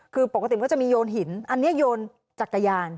คือปกติมันก็จะมีโยนหินอันนี้โยนจักรยาน